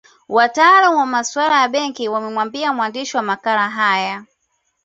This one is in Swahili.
Wataalamu wa masuala ya benki wamemwambia mwandishi wa makala haya